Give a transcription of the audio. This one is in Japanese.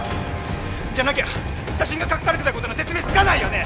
じゃなきゃ写真が隠されてた事の説明つかないよね！？